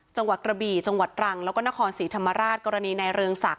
จังหวัดกระบี่จังหวัดรังแล้วก็นครศรีธรรมราชกรณีในเรืองศักดิ